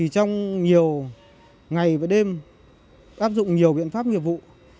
trong nhiều ngày và đêm áp dụng nhiều biện pháp nghiệp vụ